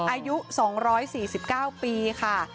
อายุ๒๔๙ปีค่ะ